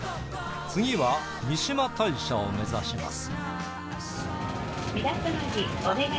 次は三嶋大社を目指します。